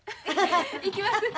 行きます。